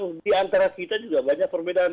di antara kita juga banyak perbedaan